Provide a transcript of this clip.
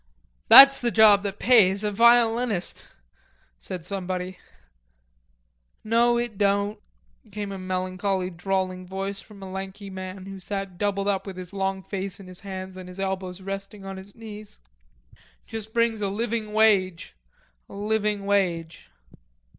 "That's the job that pays, a violinist," said somebody. "No, it don't," came a melancholy drawling voice from a lanky man who sat doubled up with his long face in his hands and his elbows resting on his knees. "Just brings a living wage... a living wage."